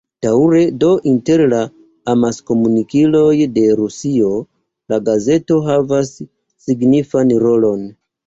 Daŭre do inter la amaskomunikiloj de Rusio la gazeto havas signifan rolon.